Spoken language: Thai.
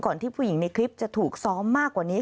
ที่ผู้หญิงในคลิปจะถูกซ้อมมากกว่านี้